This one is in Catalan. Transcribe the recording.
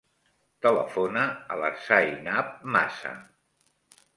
Telefona a la Zainab Masa.